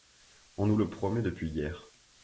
On nous le promet depuis hier